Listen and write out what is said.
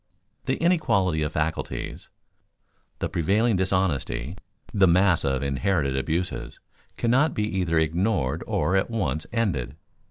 The inequality of faculties, the prevailing dishonesty, the mass of inherited abuses, cannot be either ignored or at once ended.